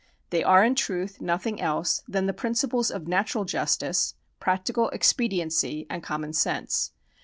They are in truth nothing else than the principles of natural justice, practical expediency, and common sense.